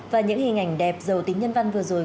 và những hình ảnh đẹp giàu tính nhân văn vừa rồi